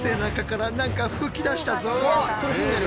苦しんでる。